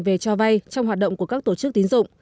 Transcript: về cho vay trong hoạt động của các tổ chức tín dụng